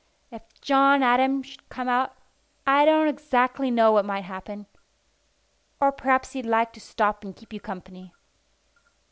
If John Adam should come out, I don't exactly know what might happen. Or perhaps he'd like to stop and keep you company."